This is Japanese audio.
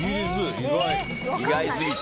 意外すぎて。